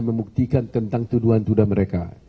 membuktikan tentang tuduhan tunda mereka